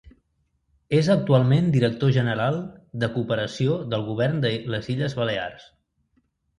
És actualment director general de cooperació del Govern de les Illes Balears.